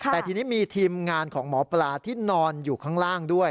แต่ทีนี้มีทีมงานของหมอปลาที่นอนอยู่ข้างล่างด้วย